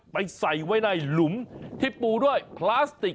ใส่ไว้ในหลุมที่ปูด้วยพลาสติก